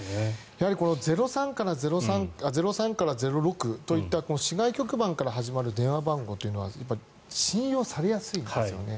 やはり「０３」から「０６」といった市外局番から始まる電話番号というのは信用されやすいんですよね。